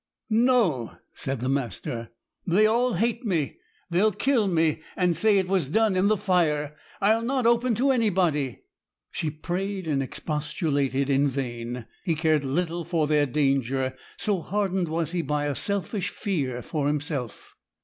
'No,' said the master, 'they all hate me. They'll kill me, and say it was done in the fire. I'll not open to anybody.' She prayed and expostulated in vain; he cared little for their danger, so hardened was he by a selfish fear for himself.